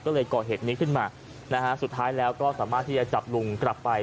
ก็เลยก่อเหตุนี้ขึ้นมานะฮะสุดท้ายแล้วก็สามารถที่จะจับลุงกลับไป